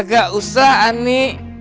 gak usah ani